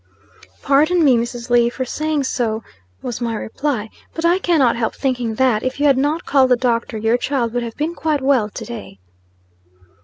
"Pardon me, Mrs. Lee, for saying so," was my reply, "but I cannot help thinking that, if you had not called the doctor, your child would have been quite well to day."